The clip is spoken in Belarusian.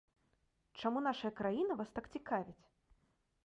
Чаму нашая краіна вас так цікавіць?